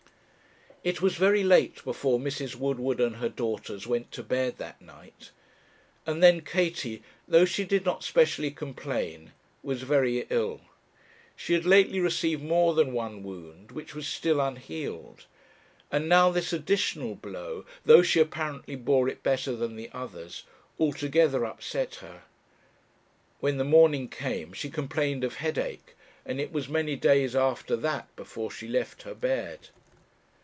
It was very late before Mrs. Woodward and her daughters went to bed that night; and then Katie, though she did not specially complain, was very ill. She had lately received more than one wound, which was still unhealed; and now this additional blow, though she apparently bore it better than the others, altogether upset her. When the morning came, she complained of headache, and it was many days after that before she left her bed.